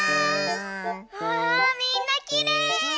わあみんなきれい！